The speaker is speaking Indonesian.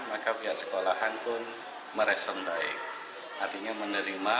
maka pihak sekolahan pun